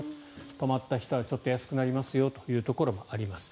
泊まった人はちょっと安くなるよというところもあります。